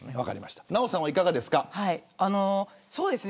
ナヲさんはいかがですか。